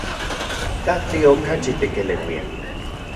¿Katli okachi tikeleuia?